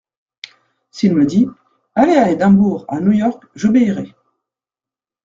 S'il me dit : Allez à Edimbourg, à New York, j'obéirai.